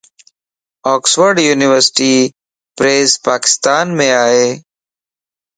اوڪسفورڊ يونيورسٽي پريس پاڪستان مَ ائي.